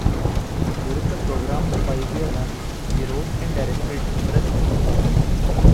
During the program's five-year run he wrote and directed numerous episodes.